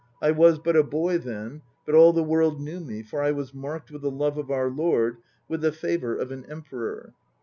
I was but a boy then, but all the world knew me; for I was marked with the love of our Lord, with the favour of an Emperor.